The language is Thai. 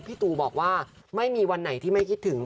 ตูบอกว่าไม่มีวันไหนที่ไม่คิดถึง